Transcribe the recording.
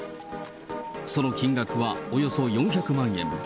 その金額はおよそ４００万円。